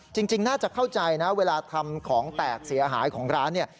จริงน่าจะเข้าใจนะเวลาทำของแตกเสียหายของร้านเนี่ย